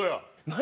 何？